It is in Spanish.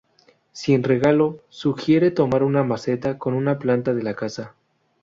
Sin regalo, sugiere tomar una maceta con una planta de la casa.